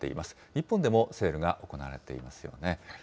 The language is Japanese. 日本でもセールが行われていますよね。